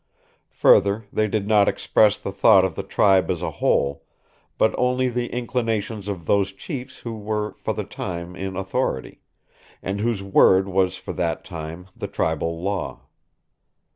Further, they did not express the thought of the tribe as a whole, but only the inclinations of those chiefs who were for the time in authority, and whose word was for that time the tribal law.